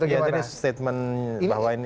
jadi statement bahwa ini